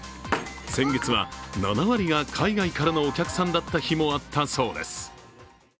先月は７割が海外からのお客さんだった日もあったそうです。